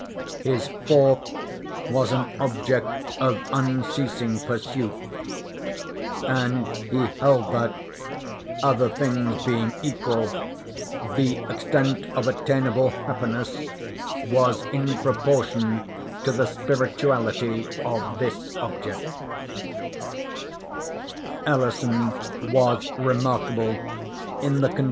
His fourth was an object of unceasing pursuit; and he held that, other things being equal, the extent of attainable happiness was in proportion to the spirituality of this object.